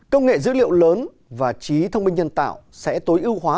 công nghệ dữ liệu lớn và trí thông minh nhân tạo sẽ tối ưu hóa